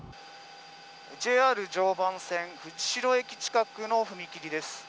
ＪＲ常磐線藤代駅近くの踏切です。